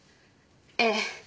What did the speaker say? ええ。